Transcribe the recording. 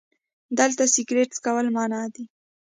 🚭 دلته سګرټ څکل منع دي